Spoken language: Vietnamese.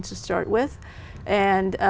tôi rất cảm hứng